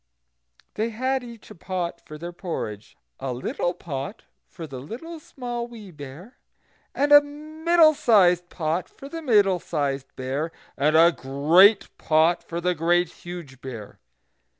They had each a pot for their porridge, a little pot for the Little Small Wee Bear, and a middle sized pot for the Middle sized Bear, and a great pot for the Great Huge Bear.